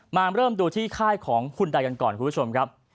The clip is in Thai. มาเริ่มดูที่ค่ายของคุณใดกันก่อนคุณผู้ชมครับ